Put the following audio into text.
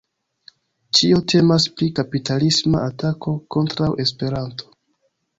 Ĉio temas pri kapitalisma atako kontraŭ Esperanto.